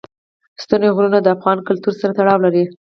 ستوني غرونه د افغان کلتور سره تړاو لري.